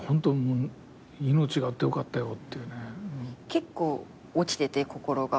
結構落ちてて心が。